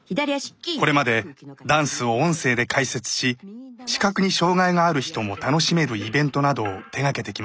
これまでダンスを音声で解説し視覚に障害がある人も楽しめるイベントなどを手がけてきました。